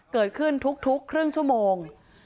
เกิดขึ้นทุกครึ่งชั่วโมง